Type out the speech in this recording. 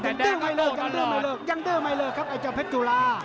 แต่แดกก็โตตลอดยังเด้อไม่เลยครับไอ้เจ้าเพชรจุฬา